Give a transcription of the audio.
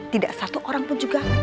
tidak satu orang pun juga